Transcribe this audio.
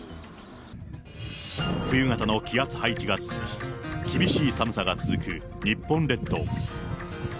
冬型の気圧配置が続き、厳しい寒さが続く日本列島。